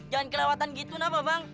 jangan kelewatan gitu napa bang